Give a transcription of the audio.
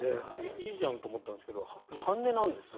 いいじゃんと思ったんですけど半値なんですね。